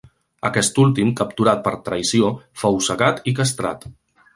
Aquest últim, capturat per traïció, fou cegat i castrat.